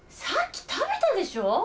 さっき食べたでしょ！